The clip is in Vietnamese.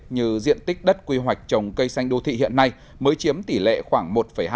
như diện tích đất quy hoạch trồng cây xanh đô thị hiện nay mới chiếm tỷ lệ khoảng một hai